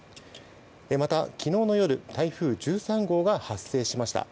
また昨日の夜、台風１３号が発生しました。